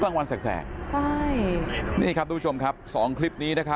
ตอนนี้ก็เปลี่ยนแบบนี้แหละ